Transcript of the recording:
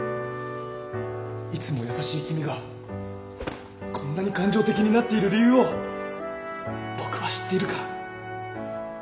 いつも優しい君がこんなに感情的になっている理由を僕は知っているから。